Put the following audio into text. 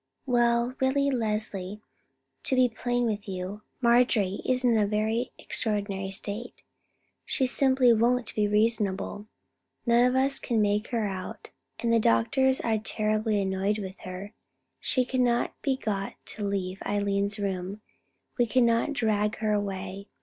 "Well, really, Leslie, to be plain with you, Marjorie is in a very extraordinary state. She simply won't be reasonable. None of us can make her out, and the doctors are terribly annoyed with her. She cannot be got to leave Eileen's room; we cannot drag her away.